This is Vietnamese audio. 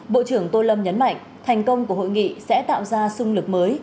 bộ trưởng tô lâm nhấn mạnh thành công của hội nghị sẽ tạo ra sung lực mới